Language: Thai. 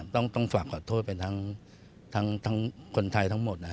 ต้องฝากขอโทษไปทั้งคนไทยทั้งหมดนะฮะ